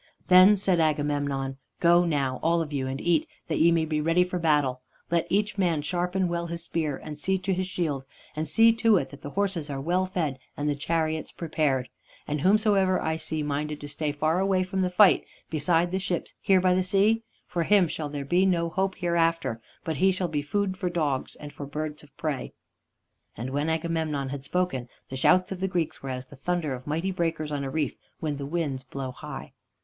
Then said Agamemnon: "Go now, all of you, and eat, that ye may be ready for battle. Let each man sharpen well his spear and see to his shield, and see to it that the horses are well fed and the chariots prepared. And whomsoever I see minded to stay far away from the fight, beside the ships here by the sea, for him shall there be no hope hereafter, but he shall be food for dogs and for birds of prey." And when Agamemnon had spoken, the shouts of the Greeks were as the thunder of mighty breakers on a reef when the winds blow high.